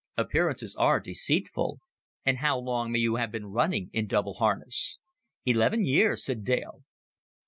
"Appearances are deceitful. And how long may you have been running in double harness?" "Eleven years," said Dale.